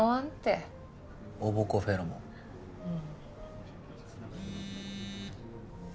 うん。